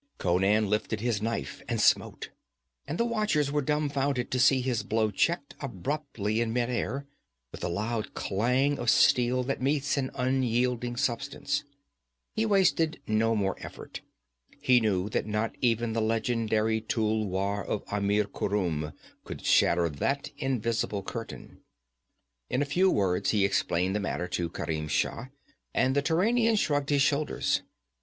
Conan lifted his knife and smote, and the watchers were dumbfounded to see his blow checked apparently in midair, with the loud clang of steel that meets an unyielding substance. He wasted no more effort. He knew that not even the legendary tulwar of Amir Khurum could shatter that invisible curtain. In a few words he explained the matter to Kerim Shah, and the Turanian shrugged his shoulders.